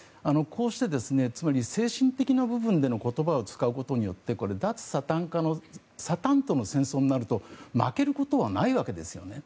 こうして、精神的な部分での言葉を使うことによって脱サタン化のサタンとの戦争になると負けることはないわけですよね。